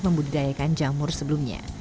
membudidayakan jamur sebelumnya